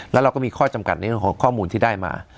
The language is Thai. แล้วเราก็มีข้อจำกัดในเรื่องของข้อมูลที่ได้มา